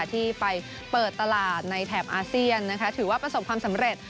ที่ไปเปิดตลาดในแถบอาเซียนถือว่าประสบความสำเร็จ